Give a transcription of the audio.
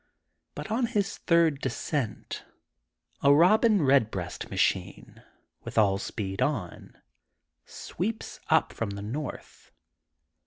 But on his third descent, a Robin Redbreast machine, with all speed on, sweeps up from the north.